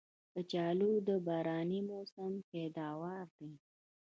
کچالو د باراني موسم پیداوار دی